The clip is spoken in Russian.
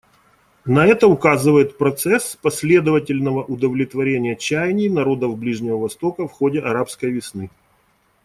На это указывает процесс последовательного удовлетворения чаяний народов Ближнего Востока в ходе «арабской весны».